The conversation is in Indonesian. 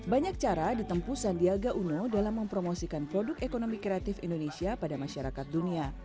banyak cara ditempu sandiaga uno dalam mempromosikan produk ekonomi kreatif indonesia pada masyarakat dunia